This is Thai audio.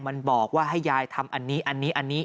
มันบอกว่าให้ยายทำอันนี้อันนี้